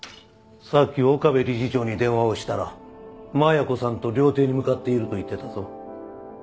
さっき岡部理事長に電話をしたら真矢子さんと料亭に向かっていると言ってたぞ。